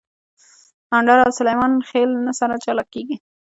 اندړ او سلیمان خېل نه سره جلاکیږي